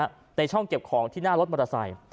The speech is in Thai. ในช่องเก็บของที่หน้ารถมอเตอร์ไซค์